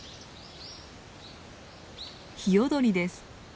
ヒヨドリです。